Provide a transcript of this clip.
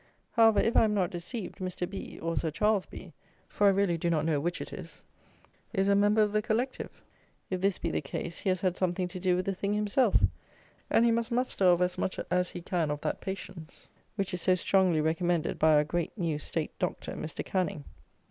However, if I am not deceived, Mr. B or Sir Charles B (for I really do not know which it is) is a member of the Collective! If this be the case he has had something to do with the thing himself; and he must muster up as much as he can of that "patience" which is so strongly recommended by our great new state doctor Mr. Canning.